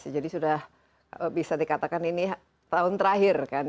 jadi sudah bisa dikatakan ini tahun terakhir kan ya